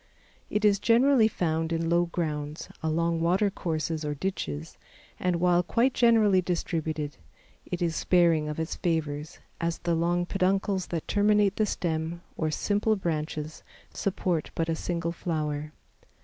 It is generally found in low grounds, along water courses or ditches, and while quite generally distributed, it is sparing of its favors, as the long peduncles that terminate the stems or simple branches, support but a single flower.